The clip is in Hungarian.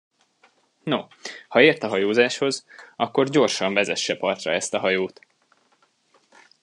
No, ha ért a hajózáshoz, akkor gyorsan vezesse partra ezt a hajót!